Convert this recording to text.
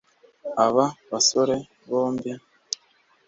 Aba basore bombi